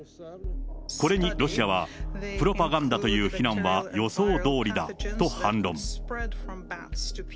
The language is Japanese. これにロシアはプロパガンダという非難は予想どおりだと反論。